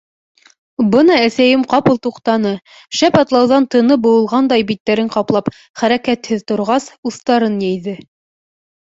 Бына әсәйем ҡапыл туҡтаны, шәп атлауҙан тыны быуылғандай биттәрен ҡаплап хәрәкәтһеҙ торғас, устарын йәйҙе.